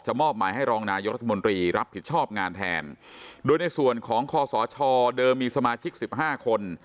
มอบหมายให้รองนายกรัฐมนตรีรับผิดชอบงานแทนโดยในส่วนของคอสชเดิมมีสมาชิกสิบห้าคน